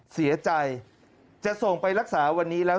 เสียใจจะส่งไปรักษาวันนี้แล้ว